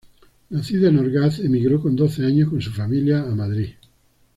Nacida en Orgaz, emigró con doce años con su familia a Madrid.